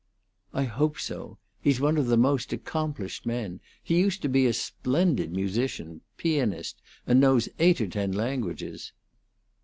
"I hope so. He's one of the most accomplished men! He used to be a splendid musician pianist and knows eight or ten languages."